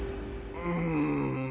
「うん」